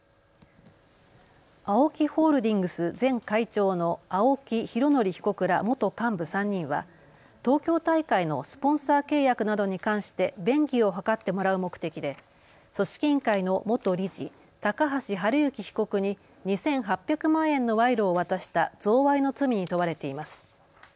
ＡＯＫＩホールディングス前会長の青木拡憲被告ら元幹部３人は東京大会のスポンサー契約などに関して便宜を図ってもらう目的で組織委員会の元理事高橋治之被告に２８００万円の賄賂を渡した贈賄の罪に問われています。